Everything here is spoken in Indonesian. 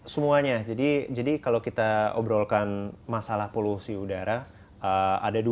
semuanya jadi kalau kita obrolkan masalah polusi udara ada dua sisi dalam itu